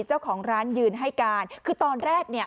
เจ้าของร้านยืนให้การคือตอนแรกเนี่ย